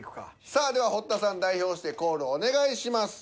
さあでは堀田さん代表してコールお願いします。